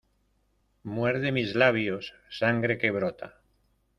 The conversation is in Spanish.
Muerde mis labios. Sangre que brota.